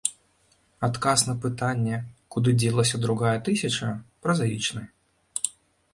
Адказ на пытанне, куды дзелася другая тысяча, празаічны.